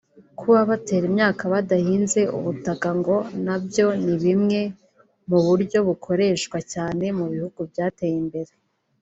Kuba batera imyaka badahinze ubutaka ngo na byo ni bumwe mu buryo bukoreshwa cyane mu bihugu byateye imbere